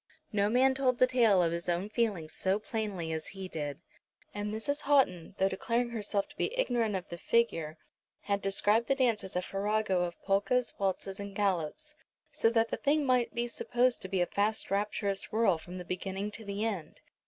No man told the tale of his own feelings so plainly as he did. And Mrs. Houghton, though declaring herself to be ignorant of the figure, had described the dance as a farrago of polkas, waltzes, and galops, so that the thing might be supposed to be a fast rapturous whirl from the beginning to the end.